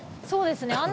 そうですね